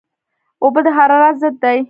اوبه د حرارت ضد دي